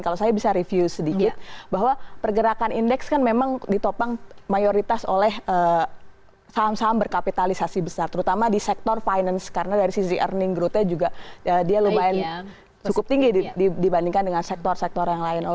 kalau saya bisa review sedikit bahwa pergerakan indeks kan memang ditopang mayoritas oleh saham saham berkapitalisasi besar terutama di sektor finance karena dari sisi earning growth nya juga dia lumayan cukup tinggi dibandingkan dengan sektor sektor yang lain